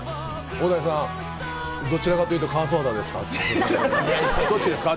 大谷さん、どっちかというと、乾燥肌ですか？